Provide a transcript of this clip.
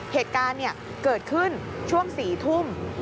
เหตุการณ์เกิดขึ้นช่วง๔ทุ่ม